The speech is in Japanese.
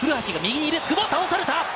久保が倒された。